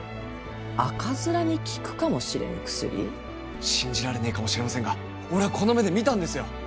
赤面に効くかもしれぬ薬？信じられねえかもしれませんが俺ぁこの目で見たんですよ！